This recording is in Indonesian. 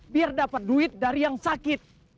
biar dapat duit dari yang sakit